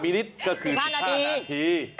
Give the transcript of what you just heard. ๑๕มินิตรก็คือ๑๕นาที